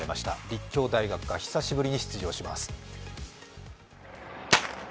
立教大学が久しぶりに出場します。